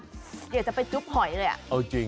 เดี๋ยวจะไปจุ๊บหอยเลยเอาจริง